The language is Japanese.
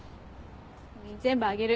全部あげる。